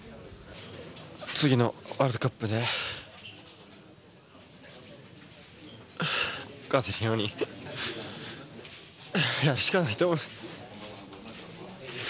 次のワールドカップで、勝てるように、やるしかないと思います。